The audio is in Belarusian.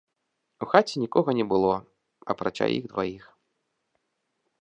У хаце нікога не было, апрача іх дваіх.